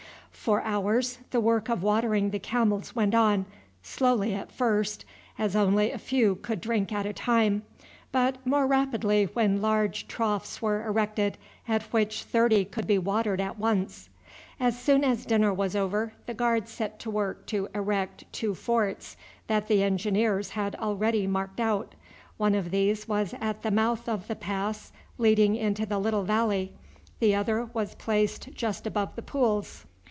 For hours the work of watering the camels went on, slowly at first, as only a few could drink at a time, but more rapidly when large troughs were erected, at which thirty could be watered at once. As soon as dinner was over the Guards set to work to erect two forts that the Engineers had already marked out. One of these was at the mouth of the pass leading into the little valley, the other was placed just above the pools.